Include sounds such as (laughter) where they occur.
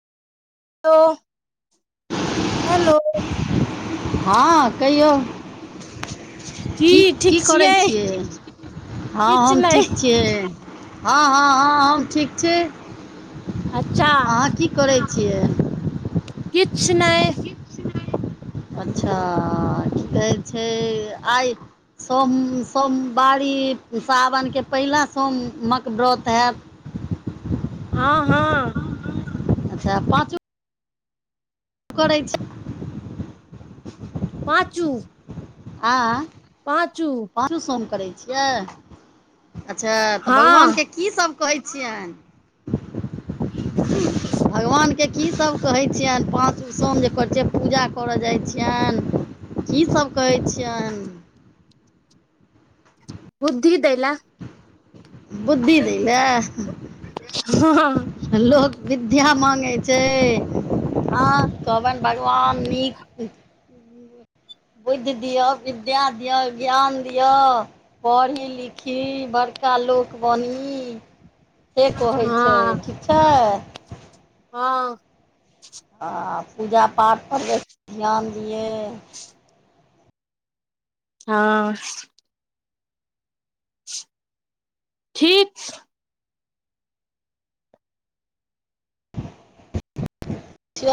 लो- hello हँ कहियौ की -की करै छियै? हँ किछ हम नहि ठीक छियै हँ, हँ, हँ हम ठीक छी। अच्छा अहाँ की करै छियै। किछ नैय। अच्छा की कहै छै आय? सोम सोमवारी सावनके पहिला सोमक व्रत हेएत? हँ, हँ। अच्छा पाँचू करै छै। पाँचू आँ पाँचू पाँचू सोम करै छियै अच्छा तऽ हँ भगवानके की सब कहै छियैन (unintelligible) भगवान के की सब कहै छियनि पाँचू सोम जे करै छि पूजा करै जाइ छियनि। की सब कहै छियनि? बुद्धि दै लए। (unintelligible) बुद्धि दै लए। हँ लोक विद्या मांगै छै आ कहबनि भगवान नीक बुद्धि दिअ, विद्या दिअ, ज्ञान दिअ पढ़ी लिखी बड़का लोक बनी। से कहै छै ठीक छै। हँ आ पूजा पाठपर जे ध्यान दियै। हँ ठीक छै।